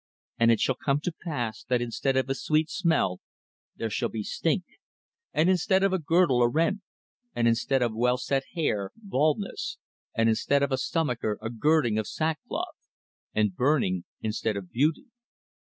And it shall come to pass that instead of sweet smell there shall be stink; and instead of a girdle a rent; and instead of well set hair, baldness; and instead of a stomacher a girding of sackcloth: and burning instead of beauty."